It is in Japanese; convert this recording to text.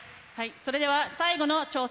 それでは最後の挑戦